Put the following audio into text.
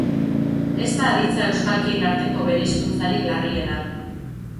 Ez da aditza euskalkien arteko bereizkuntzarik larriena.